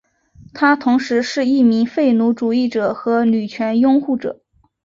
他同时是一名废奴主义者和女权拥护者。